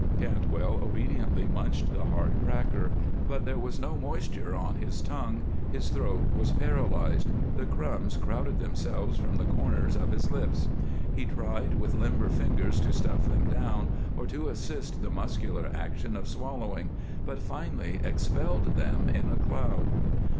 Cantwell obediently munched the hard cracker, but there was no moisture on his tongue; his throat was paralyzed; the crumbs crowded themselves from the corners of his lips. He tried with limber fingers to stuff them down, or to assist the muscular action of swallowing, but finally expelled them in a cloud.